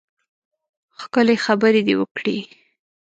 ښکلې خبرې دې وکړې.